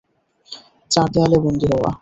চার দেয়ালে বন্দি হওয়া।